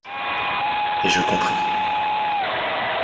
Et je compris.